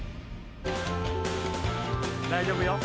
大丈夫よ。